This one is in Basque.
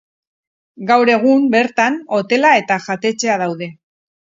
Gaur egun bertan hotela eta jatetxea daude.